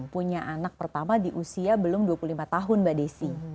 punya anak pertama di usia belum dua puluh lima tahun mbak desi